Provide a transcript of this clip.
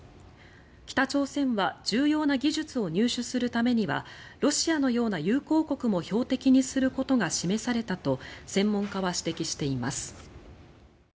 北朝鮮は重要な技術を入手するためにはロシアのような友好国も標的にすることが示されたと専門家は指摘しています。